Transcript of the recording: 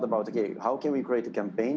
bagaimana kita bisa membuat kampanye